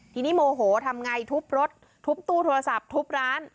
ทีนี้โมโหทำไงทุบรถทุบตู้โทรศัพท์ทุบร้าน